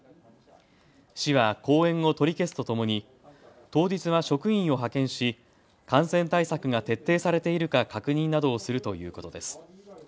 市は後援を取り消すとともに当日は職員を派遣し感染対策が徹底されているか確認などをするということです。